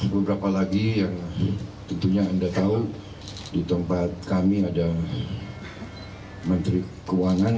beberapa lagi yang tentunya anda tahu di tempat kami ada menteri keuangan